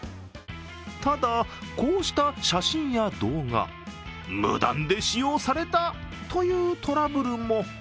ただ、こうした写真や動画、無断で使用されたというトラブルも。